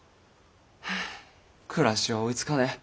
暮らしは追いつかねえ